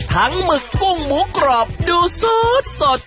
ทั้งหมึกกุ้งหมูกรอบดูสูบสด